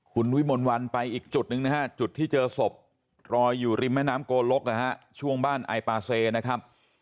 คุณวิมลวันไปอีกจุดหนึ่งนะฮะจุดที่เจอศพรอยอยู่ริมแม่น้ำโกลกนะฮะช่วงบ้านไอปาเซนะครับ